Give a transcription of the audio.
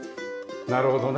なるほどね。